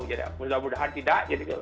jadi mudah mudahan tidak tahu